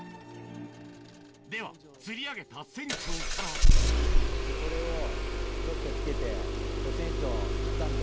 では釣り上げた船長からじゃあこれをちょっとつけて船長釣ったんで。